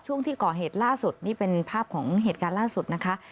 ช่วงที่ก่อเหตุล่าสุดนี่เป็นภาพของเหตุการณ์ล่าสุดนะคะ